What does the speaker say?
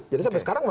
jadi sampai sekarang